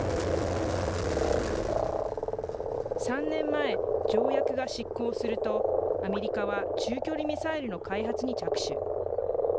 ３年前、条約が失効すると、アメリカは中距離ミサイルの開発に着手。